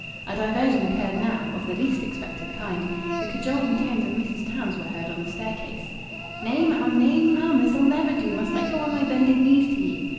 A diversion occurred now, of the least expected kind. The cajoling tones of Mrs. Tams were heard on the staircase. "Nay, ma'am! Nay, ma'am! This'll never do. Must I go on my bended knees to ye?"